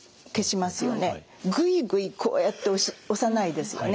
グイグイこうやって押さないですよね。